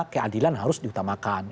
keadilan harus diutamakan